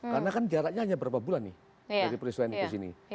karena kan jaraknya hanya beberapa bulan nih dari peristiwa ini ke sini